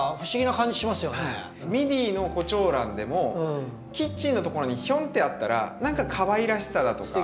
ミディのコチョウランでもキッチンのところにヒョンってあったら何かかわいらしさだとか。